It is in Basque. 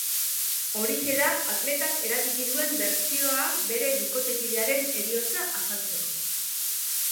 Horixe da atletak erabili duen bertsioa bere bikotekidearen heriotza azaltzeko.